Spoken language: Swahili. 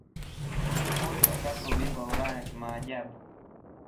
Portro wakatwaa ubingwa wa Ulaya kimaajabu